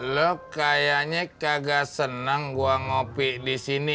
lo kayaknya kagak senang gua ngopi di sini